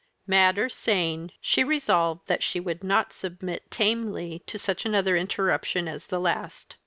Mad or sane, she resolved that she would not submit tamely to such another irruption as the last.